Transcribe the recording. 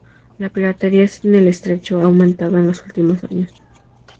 La piratería en el estrecho ha aumentado en los últimos años.